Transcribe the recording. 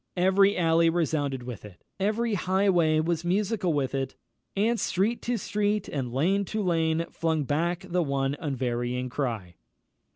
Every alley resounded with it; every highway was musical with it, "And street to street, and lane to lane flung back The one unvarying cry."